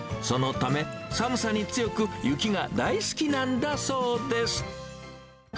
そのため、寒さに強く、雪が大好きなんだそうです。